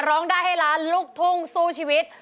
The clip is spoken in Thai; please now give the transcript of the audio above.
ร้องได้ให้ล้านลูกทุ่งสู้ชีวิต